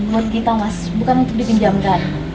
buat kita mas bukan untuk di pinjamkan